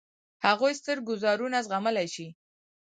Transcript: هغوی ستر ګوزارونه زغملای شي.